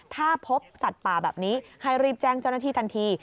ถ้าพบสัตว์ป่าแบบนี้ให้รีบแจ้งเจ้าหน้าที่ทันที